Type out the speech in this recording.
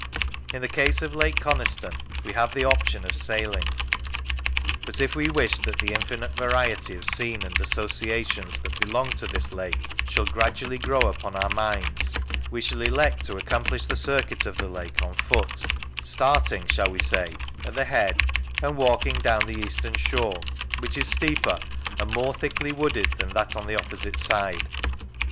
In the case of Lake Coniston we have the option of sailing, but if we wish that the infinite variety of scene and associations that belong to this lake shall gradually grow upon our minds, we shall elect to ac complish the circuit of the lake on foot; starting, shall we say, at the head and walking down the eastern shore, which is steeper and more thickly wooded than that on the opposite side.